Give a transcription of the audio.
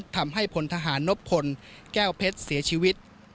พลทหารนบพลแก้วเพชรเสียชีวิต